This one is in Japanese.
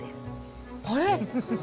あれ？